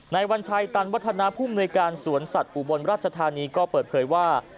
วัญชัยตันวัฒนาภูมิในการสวนสัตว์อุบลราชธานีก็เปิดเผยว่า